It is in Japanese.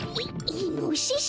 イイノシシ？